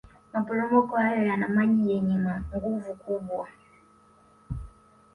maporomoko hayo yaana maji yenye nguvu kubwa